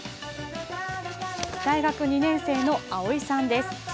大学２年生のあおいさんです。